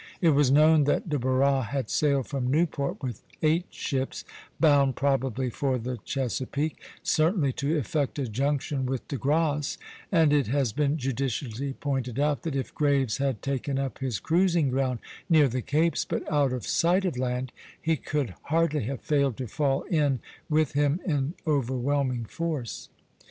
It was known that De Barras had sailed from Newport with eight ships, bound probably for the Chesapeake, certainly to effect a junction with De Grasse; and it has been judiciously pointed out that if Graves had taken up his cruising ground near the Capes, but out of sight of land, he could hardly have failed to fall in with him in overwhelming force.